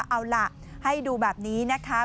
เอาล่ะให้ดูแบบนี้นะคะ